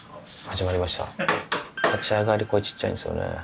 始まりました立ち上がり声小っちゃいんですよね。